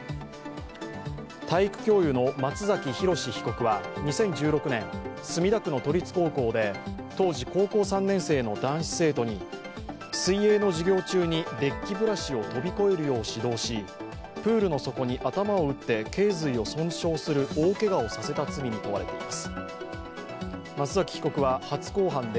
体育教諭の松崎浩史被告は２０１６年、墨田区の都立高校で当時高校３年生の男子生徒に水泳の授業中にデッキブラシを飛び越えるよう指導し、プールの底に頭を打って頸随を損傷するる大けがをさせた罪に問われています。